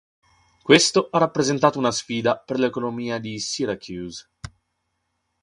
Questo ha rappresentato una sfida per l'economia di Syracuse.